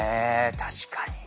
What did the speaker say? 確かに。